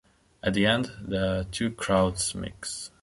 At the end, the two crowds mix.